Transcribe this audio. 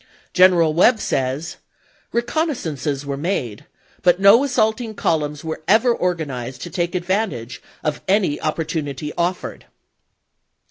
General Webb says, " Reconnaissances were made, ... but no assault ing columns were ever organized to take advantage of any opportunity offered."